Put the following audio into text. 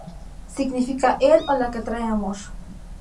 Significa "el o la que trae amor".